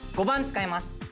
５番使います。